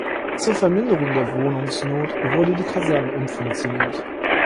Zur Verminderung der Wohnungsnot wurde die Kaserne umfunktioniert.